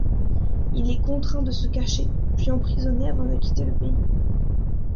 Il est contraint de se cacher, puis emprisonné avant de quitter le pays.